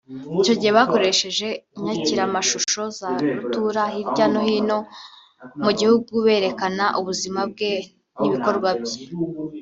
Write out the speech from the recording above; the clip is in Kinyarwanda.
Icyo gihe bakoresheje inyakiramashusho za rutura hirya no hino mu gihugu berekana ubuzima bwe n’ibikorwa bye